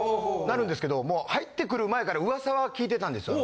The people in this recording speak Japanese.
なるんですけどもう入ってくる前から噂は聞いてたんですよ